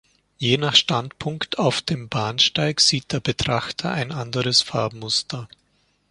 Je nach Standpunkt auf dem Bahnsteig sieht der Betrachter ein anderes Farbmuster.